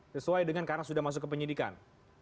sesuai dengan karena sudah masuk ke penyidikan